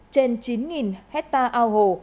trên chín hecta ao hồ